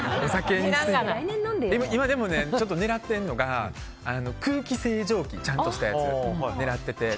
今でもね、狙ってるのが空気清浄機ちゃんとしたやつを狙ってて。